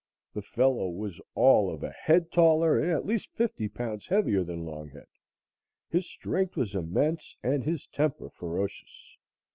The fellow was all of a head taller and at least fifty pounds heavier than Longhead; his strength was immense and his temper ferocious.